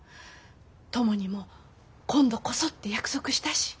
トモにも今度こそって約束したし。